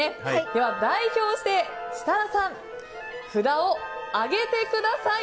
では、代表して設楽さん札を上げてください。